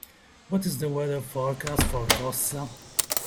What is the weather forecast for Koszta